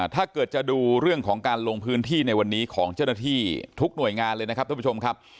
ถ้าเกิดจะดูเรื่องของการลงพื้นที่ในวันนี้ของเจ้าหน้าที่ทุกหน่วยงานเลยนะครับท่านผู้ชมครับ